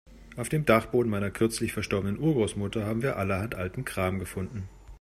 Auf dem Dachboden meiner kürzlich verstorbenen Urgroßmutter haben wir allerhand alten Kram gefunden.